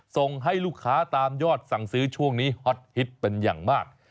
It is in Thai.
ส่งให้ลูกค้าตามยอดสั่งซื้อช่วงนี้ฮอตฮิตเป็นอย่างมาก